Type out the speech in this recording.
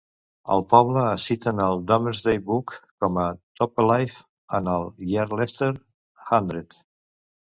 El poble es cita en el "Domesday Book" com a "Topeclive" en el "Yarlestre hundred".